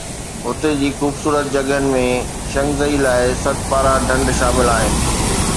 هتي جي خوبصورت جڳهن ۾ شنگري لا، سدپارا ڍنڍ شامل آهن